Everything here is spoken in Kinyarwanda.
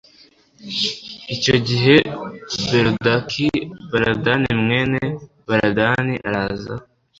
icyo gihe berodaki baladani mwene baladani araza